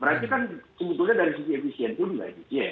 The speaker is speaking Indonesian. berarti kan sebetulnya dari sisi efisien itu juga